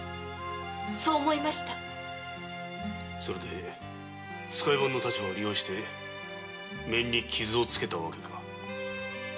それで使い番の立場を利用して面に傷をつけた訳か？